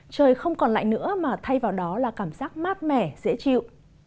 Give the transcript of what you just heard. trời không còn lại nữa mà thay vào đó là cảm giác mát mẻ dễ chịu